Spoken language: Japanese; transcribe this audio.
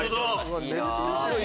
面白い！